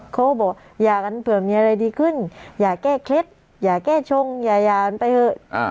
เขาก็บอกอย่ากันเผื่อมีอะไรดีขึ้นอย่าแก้เคล็ดอย่าแก้ชงอย่าหย่ากันไปเถอะ